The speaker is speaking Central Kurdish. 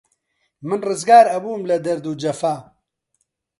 من ڕزگار ئەبووم لە دەرد و جەفا